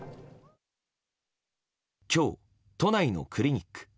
今日、都内のクリニック。